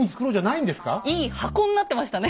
「いい箱」になってましたね。